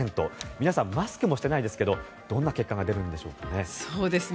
皆さんマスクもしていないですけどどんな結果が出るんですかね。